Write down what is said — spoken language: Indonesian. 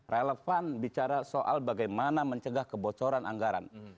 relevan bicara soal bagaimana mencegah kebocoran anggaran